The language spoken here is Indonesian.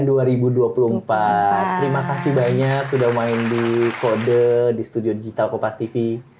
terima kasih banyak sudah main di kode di studio digital kopas tv